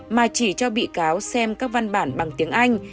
mà chỉ cho bị cáo xem các văn bản bằng tiếng anh